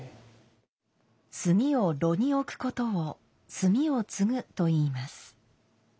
炭を炉に置くことを「炭をつぐ」と言います。